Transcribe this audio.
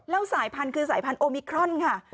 แล้วสายพันธุ์คือสายพันธุมิครอนค่ะ